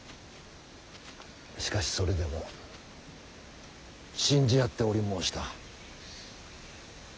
しかしそれでも信じ合っており申した。